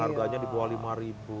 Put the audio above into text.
harganya di bawah rp lima